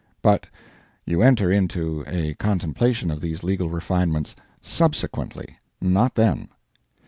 [But you enter into a contemplation of these legal refinements subsequently not then.